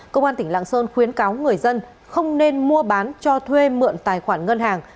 công an tỉnh lạng sơn khuyến cáo người dân không nên mua bán cho thuê mượn tài khoản ngân hàng